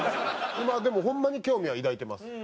今でもホンマに興味は抱いてます。